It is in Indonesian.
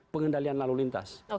pengendalian lalu lintas